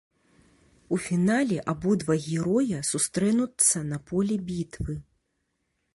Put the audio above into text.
У фінале абодва героя сустрэнуцца на поле бітвы.